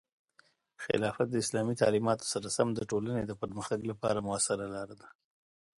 خلافت د اسلامي تعلیماتو سره سم د ټولنې د پرمختګ لپاره مؤثره لاره ده.